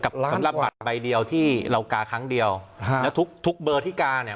สำหรับบัตรใบเดียวที่เรากาครั้งเดียวแล้วทุกทุกเบอร์ที่กาเนี่ย